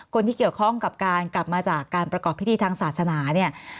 คนที่เกี่ยวข้องกับการกลับมาจากการประกอบพิธีทางศาสนาเนี่ย